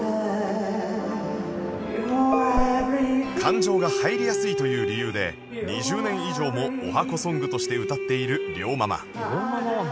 感情が入りやすいという理由で２０年以上も十八番ソングとして歌っているリョウママ